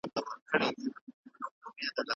ما ته وویل شول چې دفتر ته ژر حاضر شم.